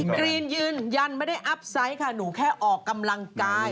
กรีนยืนยันไม่ได้อัพไซต์ค่ะหนูแค่ออกกำลังกาย